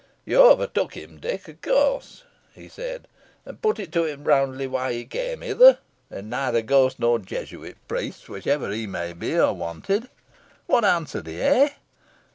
"You overtook him, Dick, of course?" he said, "and put it to him roundly why he came hither, where neither ghosts nor Jesuit priests, whichever he may be, are wanted. What answered he, eh?